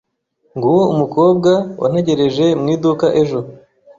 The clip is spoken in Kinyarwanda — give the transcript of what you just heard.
Nguwo umukobwa wantegereje mu iduka ejo.